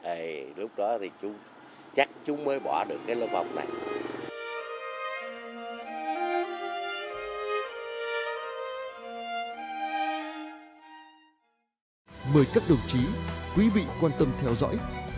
ê lúc đó đi